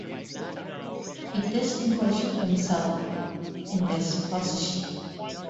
He distinguished himself in this position.